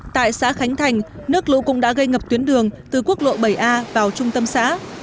tại xã khánh thành nước lũ cũng đã gây ngập tuyến đường từ quốc lộ bảy a vào trung tâm xã